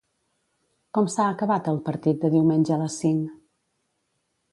Com s'ha acabat el partit de diumenge a les cinc?